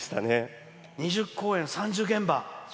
２０公演、３０現場。